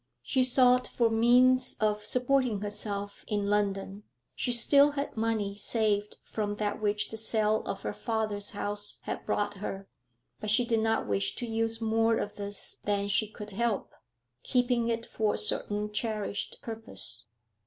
She sought for means of supporting herself in London; she still had money saved from that which the sale of her father's house had brought her, but she did not wish to use more of this than she could help, keeping it for a certain cherished purpose.